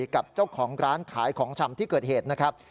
กับเจ้าของร้านขายของชำที่เกิดเหตุนะครับ